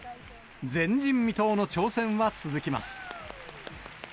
前人未到の挑戦は続きます。